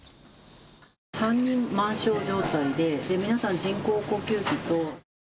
３人満床状態で皆さん、人工呼吸器と。